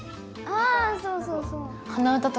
あぁそうそうそう。